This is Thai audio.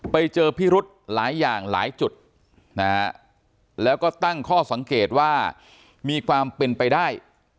ไปเจอพิรุธหลายอย่างหลายจุดนะฮะแล้วก็ตั้งข้อสังเกตว่ามีความเป็นไปได้